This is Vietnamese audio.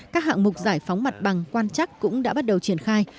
các hạng mục giải phóng mặt bằng quan chắc cũng đã bắt đầu triển khai